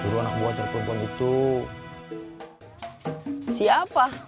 suruh anak buat cari perempuan itu siapa